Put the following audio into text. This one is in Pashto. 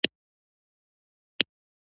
د خشونت پر ضد علمبرداران ممکن پوه شوي وي